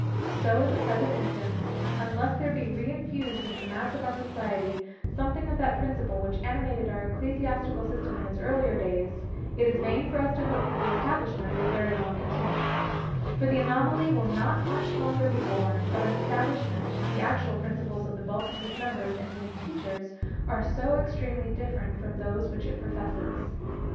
So in the present instance, unless there be reinfused into the mass of our society, something of that principle, which animated our ecclesiastical system in its earlier days, it is vain for us to hope that the establishment will very long continue: for the anomaly will not much longer be borne, of an establishment, the actual principles of the bulk of whose members, and even teachers, are so extremely different from those which it professes.